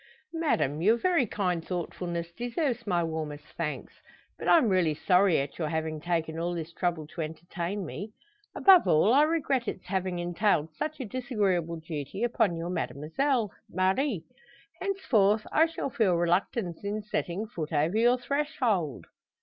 "Madame, your very kind thoughtfulness deserves my warmest thanks. But I'm really sorry at your having taken all this trouble to entertain me. Above all, I regret its having entailed such a disagreeable duty upon your Mademoiselle Marie. Henceforth I shall feel reluctance in setting foot over your threshold."